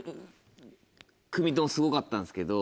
３組ともすごかったんですけど。